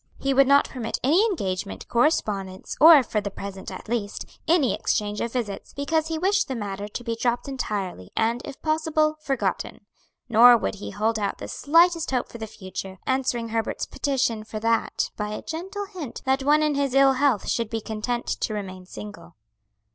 He would not permit any engagement, correspondence, or, for the present at least, any exchange of visits; because he wished the matter to be dropped entirely, and, if possible, forgotten. Nor would he hold out the slightest hope for the future; answering Herbert's petition for that by a gentle hint that one in his ill health should be content to remain single.